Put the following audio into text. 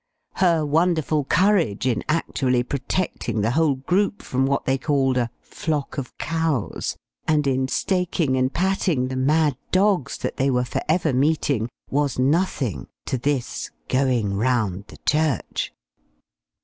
Her wonderful courage in actually protecting the whole group from what they called a "flock of cows," and in staking and patting the "mad dogs" that they were for ever meeting, was nothing to this _going round the church!